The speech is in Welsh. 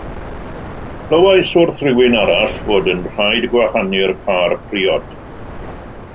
Clywais wrth rywun arall fod yn rhaid gwahanu'r pâr priod.